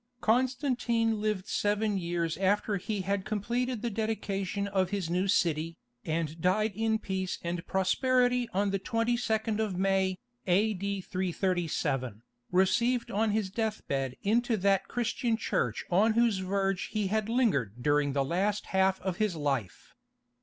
Constantine lived seven years after he had completed the dedication of his new city, and died in peace and prosperity on the 22nd of May, A.D. 337, received on his death bed into that Christian Church on whose verge he had lingered during the last half of his life.